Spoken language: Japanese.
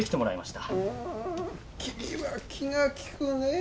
あ君は気が利くねえ。